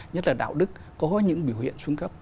nhất là đạo đức có những biểu hiện xuống cấp